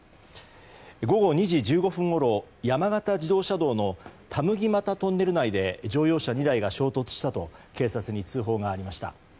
午後２時１５分ごろ山形自動車道の田麦俣トンネル内で乗用車２台が衝突したと警察に通報がありました。